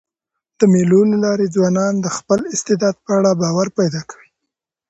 د مېلو له لاري ځوانان د خپل استعداد په اړه باور پیدا کوي.